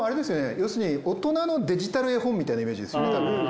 要するに大人のデジタル絵本みたいなイメージですよねたぶん。